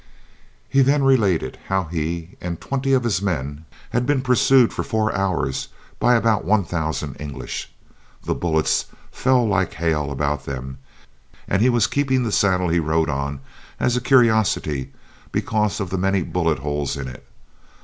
He then related how he and twenty of his men had once been pursued for four hours by about one thousand English. The bullets fell like hail about them, and he was keeping the saddle he rode on, as a curiosity, because of the many bullet holes in it.